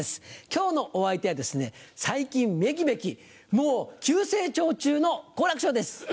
今日のお相手はですね最近めきめきもう急成長中の好楽師匠です。